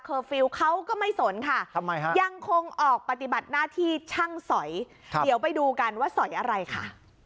ฟิลล์เขาก็ไม่สนค่ะยังคงออกปฏิบัติหน้าที่ช่างสอยเดี๋ยวไปดูกันว่าสอยอะไรค่ะ